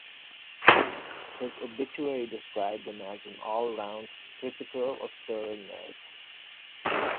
His "Wisden" obituary described him as "an allround cricketer of sterling merit".